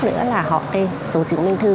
nữa là họ tên số chứng minh thư